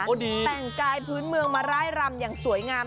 แต่งกายพื้นเมืองมาร่ายรำอย่างสวยงาม